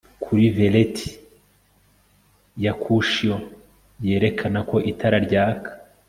kuri velheti ya cushion yerekana ko itara ryaka